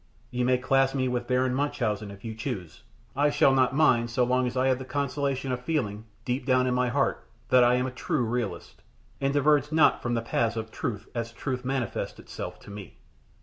You may class me with Baron Munchausen if you choose; I shall not mind so long as I have the consolation of feeling, deep down in my heart, that I am a true realist, and diverge not from the paths of truth as truth manifests itself to me.